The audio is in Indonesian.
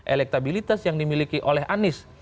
elektabilitas yang dimiliki oleh anies